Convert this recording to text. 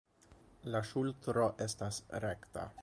La ŝultro estas rekta.